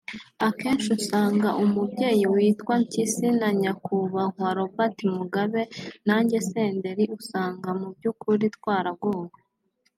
Akenshi usanga umubyeyi witwa Mpyisi na Nyakubahwa Robert Mugabe nanjye Senderi usanga mu by’ukuri twaragowe